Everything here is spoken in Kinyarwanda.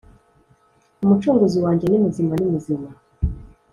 umucunguzi wanjye ni muzima ni muzima